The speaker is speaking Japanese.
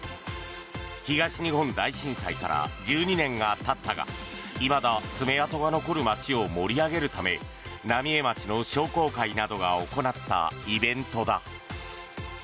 東日本大震災から１２年がたったがいまだ爪痕が残る町を盛り上げるため浪江町の商工会などが行ったイベントだ。